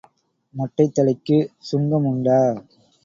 மொட்டைத் தலைக்கு சுங்கம் உண்டா?